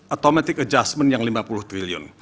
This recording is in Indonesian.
automatic adjustment yang lima puluh triliun